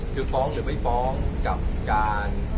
คือฟ้องหรือไม่ฟ้องกับการ